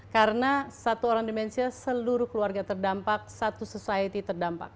karena satu orang demensia seluruh keluarga terdampak satu society terdampak